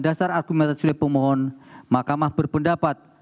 dasar argumentasi oleh pemohon makamah berpendapat